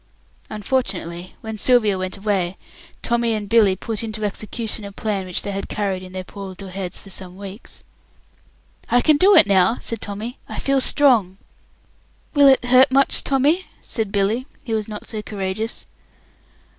Unfortunately, when Sylvia went away, Tommy and Billy put into execution a plan which they had carried in their poor little heads for some weeks. "I can do it now," said Tommy. "I feel strong." "Will it hurt much, Tommy?" said Billy, who was not so courageous.